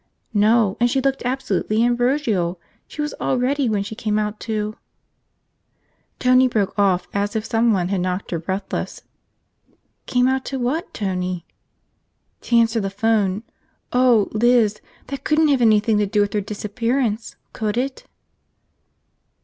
"No. And she looked absolutely ambrosial. She was all ready when she came out to ..." Tony broke off as if someone had knocked her breathless. "Came out to what, Tony?" "To answer the phone. Oh, Liz, that couldn't have anything to do with her disappearance, could it?"